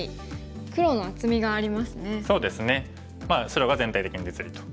白が全体的に実利と。